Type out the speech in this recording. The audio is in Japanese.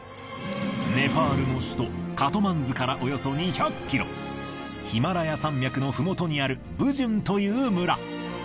ネパールの首都カトマンズからおよそ２００キロヒマラヤ山脈のふもとにあるブジュンという村。